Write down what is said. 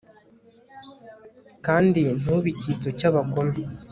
kandi ntube icyitso cy'abagome